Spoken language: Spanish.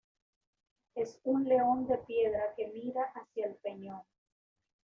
Es un león de piedra que mira hacia el peñón.